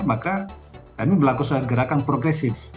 maka kami melakukan gerakan progresif